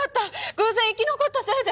偶然生き残ったせいで！